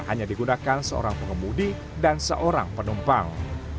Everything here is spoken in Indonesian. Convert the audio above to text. hanya digunakan seorang pengemudi dan seorang penumpang